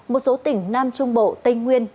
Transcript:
một số tỉnh nam trung bộ tây nguyên